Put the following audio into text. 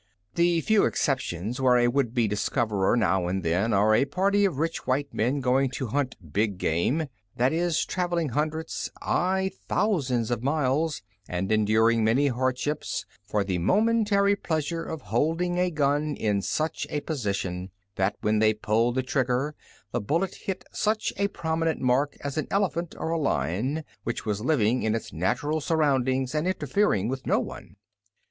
The few exceptions were a would be discoverer now and then, or a party of rich white men going to hunt "big game;" that is, travelling hundreds aye, thousands of miles, and enduring many hardships, for the momentary pleasure of holding a gun in such a position that when they pulled the trigger the bullet hit such a prominent mark as an elephant or a lion, which was living in its natural surroundings and interfering with no one.